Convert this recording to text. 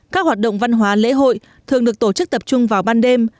các hoạt động văn hóa lễ hội thường được tổ chức tập trung vào ban đêm